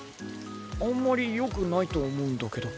あんまりよくないと思うんだけど。